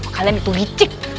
kalian itu licik